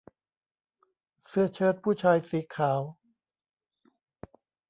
เสื้อเชิ้ตผู้ชายสีขาว